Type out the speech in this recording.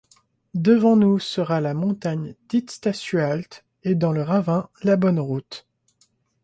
Devant nous sera la montagne d’Icctacihualt, et, dans le ravin, la bonne route